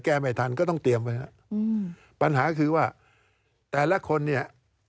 แก้ไม่ทันก็ต้องเตรียมไปปัญหาคือว่าแต่ละคนเนี่ย